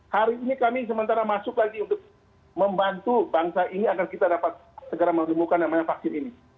hari ini kami sementara masuk lagi untuk membantu bangsa ini agar kita dapat segera menemukan namanya vaksin ini